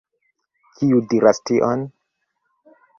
Kiu diras tion?